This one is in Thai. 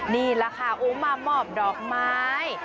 นี่แหละค่ะโอ้มามอบดอกไม้